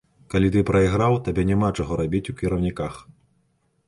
Калі ты прайграў, табе няма чаго рабіць у кіраўніках.